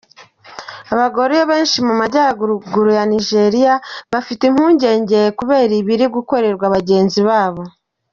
Abagore benshi mu majyaruguru ya Nigeria bafite impungenge kubera ibiri gukorerwa bagenzi babo.